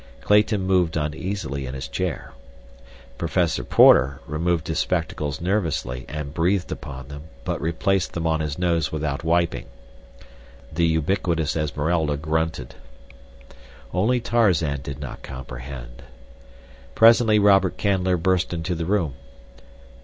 Clayton moved uneasily in his chair. Professor Porter removed his spectacles nervously, and breathed upon them, but replaced them on his nose without wiping. The ubiquitous Esmeralda grunted. Only Tarzan did not comprehend. Presently Robert Canler burst into the room.